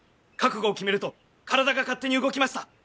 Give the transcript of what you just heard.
覚悟を決めると体が勝手に動きました！